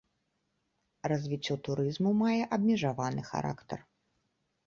Развіццё турызму мае абмежаваны характар.